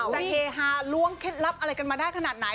เฮฮาล้วงเคล็ดลับอะไรกันมาได้ขนาดไหน